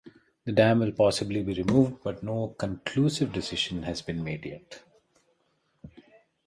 The dam will possibly be removed, but no conclusive decision has been made yet.